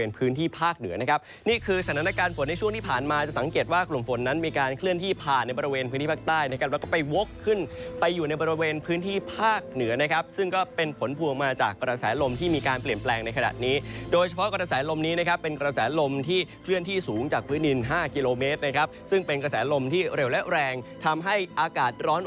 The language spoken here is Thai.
นะครับนี่คือสถานการณ์ฝนในช่วงที่ผ่านมาจะสังเกตว่ากลมฝนนั้นมีการเคลื่อนที่ผ่านในบริเวณพื้นที่ภาคใต้นะครับแล้วก็ไปวกขึ้นไปอยู่ในบริเวณพื้นที่ภาคเหนือนะครับซึ่งก็เป็นผลพลวงมาจากกระแสลมที่มีการเปลี่ยนแปลงในขณะนี้โดยเฉพาะกระแสลมนี้นะครับเป็นกระแสลมที่เคลื่อนที่สูงจากพื้นอิน